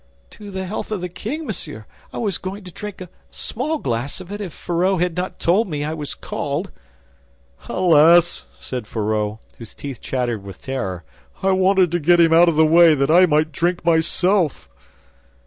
"To the health of the king, monsieur; I was going to drink a small glass of it if Fourreau had not told me I was called." "Alas!" said Fourreau, whose teeth chattered with terror, "I wanted to get him out of the way that I might drink myself."